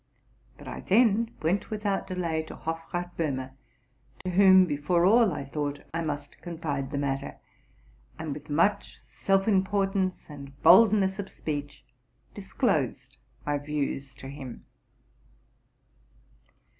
But I then went, without delay, to Hofrath Bohme, to whom, before all, I thought I must confide the matter. and with much self importance and boldness of speech disclosed my views to him.